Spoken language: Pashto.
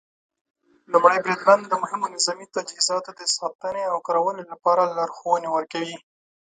لومړی بریدمن د مهمو نظامي تجهیزاتو د ساتنې او کارولو لپاره لارښوونې ورکوي.